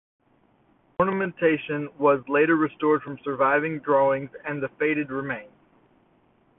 This ornamentation was later restored from surviving drawings and the faded remains.